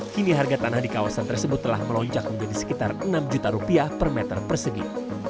kini harga tanah di kawasan tersebut telah melonjak menjadi sekitar enam juta rupiah per meter persegi